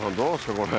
これ。